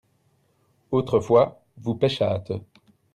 autrefois vous pêchâtes.